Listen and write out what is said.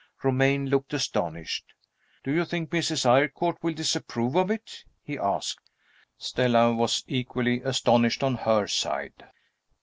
Romayne looked astonished. "Do you think Mrs. Eyrecourt will disapprove of it?" he asked. Stella was equally astonished on her side.